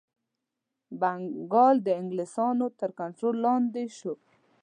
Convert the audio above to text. بنګال د انګلیسیانو تر کنټرول لاندي شو.